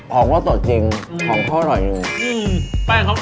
ของก็สดจริงของข้อหน่อยนึง